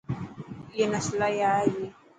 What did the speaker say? اي نا سلائي آئي تي.